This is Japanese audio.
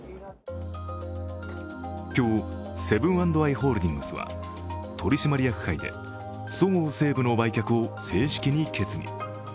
今日、セブン＆アイ・ホールディングスは取締役会でそごう・西武の売却を正式に決議。